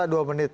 masa dua menit